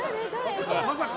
まさか。